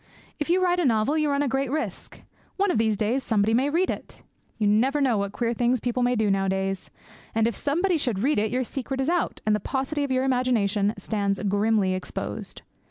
If you write a novel, you run a great risk. One of these days somebody may read it you never know what queer things people may do nowadays. And if somebody should read it, your secret is out, and the paucity of your imagination stands grimly exposed.